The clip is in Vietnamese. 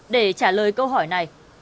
để trả lời câu hỏi này